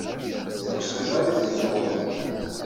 Ur sɣiɣ ara idrimen ɣer-i.